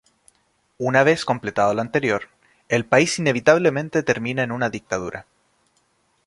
Una vez completado lo anterior, el país inevitablemente termina en una dictadura.